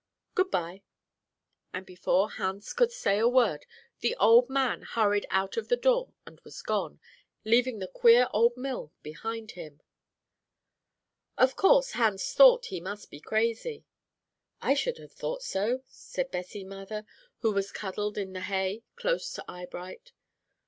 Good by,' and before Hans could say a word, the old man hurried out of the door and was gone, leaving the queer old mill behind him. "Of course Hans thought he must be crazy." "I should have thought so," said Bessie Mather, who was cuddled in the hay close to Eyebright.